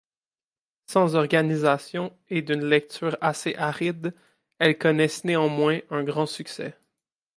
Sans organisation et d’une lecture assez aride, elles connaissent néanmoins un grand succès.